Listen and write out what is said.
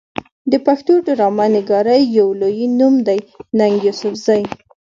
د پښتو ډرامه نګارۍ يو لوئې نوم دی ننګ يوسفزۍ